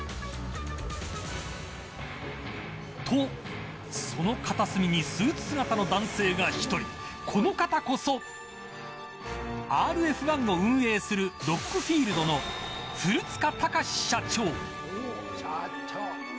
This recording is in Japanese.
と、その片隅にスーツ姿の男性が１人この方こそＲＦ１を運営するロック・フィールドの古塚社長。